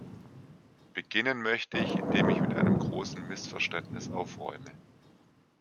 Beginnen möchte ich, indem ich mit einem großen Missverständnis aufräume.